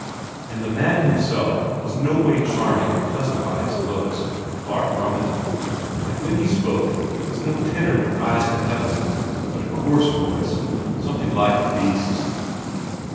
And the man himself was no way charming or pleasant by his looks, far from it; and when he spoke it was no tenor with eyes to heaven, but a coarse voice, something like a beast's.